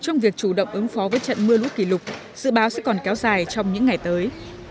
trong việc chủ động ứng phó với trận mưa lũ kỷ lục dự báo sẽ còn kéo dài trong những ngày tới